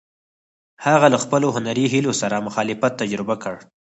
هغه له خپلو هنري هیلو سره مخالفت تجربه کړ.